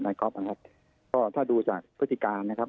ก๊อฟนะครับก็ถ้าดูจากพฤติการนะครับ